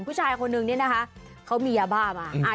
ผู้ชายคนนึงเนี่ยนะคะเขามียาบ้ามา